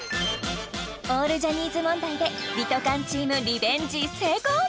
オールジャニーズ問題でリトかんチームリベンジ成功